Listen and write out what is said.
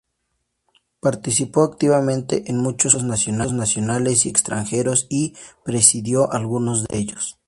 Participó activamente en muchos congresos nacionales y extranjeros, y presidió algunos de ellos.